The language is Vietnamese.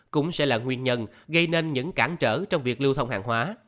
cũng sẽ là nguyên nhân gây nên những cản trở trong việc lưu thông hàng hóa